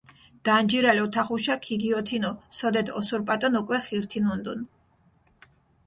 დანჯირალ ოთახუშა ქიგიოთინჷ, სოდეთ ოსურპატონ უკვე ხირთინუნდუნ.